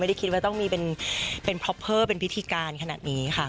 ไม่ได้คิดว่าต้องมีเป็นพิธีการขนาดนี้ค่ะ